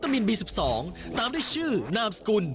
ถึง๘ธันวาคม๒๕๖๖